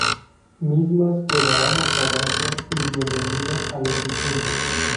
Mismas que darán la fragancia y bienvenida a los difuntos.